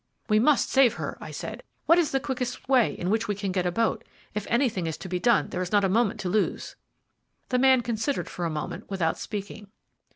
"We must save her," I said. "What is the quickest way in which we can get a boat? If anything is to be done, there is not a moment to lose." The man considered for a moment, without speaking.